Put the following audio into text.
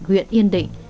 nguyện yên định